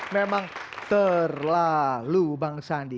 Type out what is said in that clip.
memang terlalu bang sandi